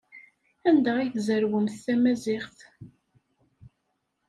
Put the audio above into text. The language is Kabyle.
Anda ay tzerwemt tamaziɣt?